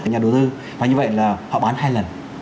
nhà đầu tư và như vậy là họ bán hai lần